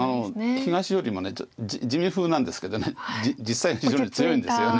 東よりも地味風なんですけど実際は非常に強いんですよね。